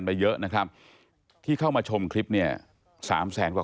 กระทั้งที่กฎหมายก็มีอยู่